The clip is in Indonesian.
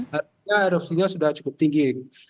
karena erupsinya sudah cukup tinggi